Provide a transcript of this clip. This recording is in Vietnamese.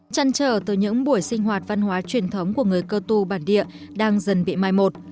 chăn trở từ những buổi sinh hoạt văn hóa truyền thống của người cơ tu bản địa đang dần bị mai một